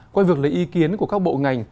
qua việc lấy ý kiến của các bộ ngành